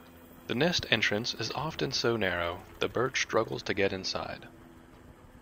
The nest entrance is often so narrow, the bird struggles to get inside.